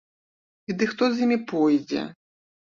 І ды хто з імі пойдзе?!